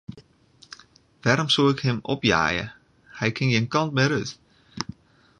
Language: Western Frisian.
Wêrom soe ik him opjeie, hy kin gjin kant mear út.